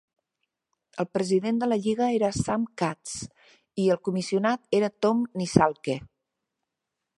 El president de la lliga era Sam Katz i el comissionat era Tom Nissalke.